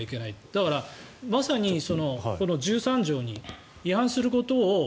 だから、まさにこの１３条に違反することを。